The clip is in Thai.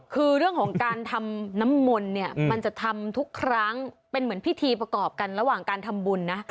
คือเรื่องของการทำน้ำมนต์เนี่ยมันจะทำทุกครั้งเป็นเหมือนพิธีประกอบกันระหว่างการทำบุญนะ